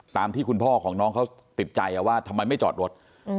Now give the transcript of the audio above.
ตามที่คุณพ่อของน้องเขาติดใจว่าทำไมไม่จอดรถ